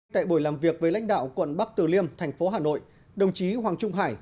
tại buổi làm việc với lãnh đạo quận bắc từ liêm thành phố hà nội đồng chí hoàng trung hải